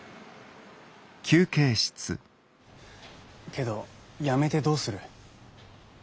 けど辞めてどうする？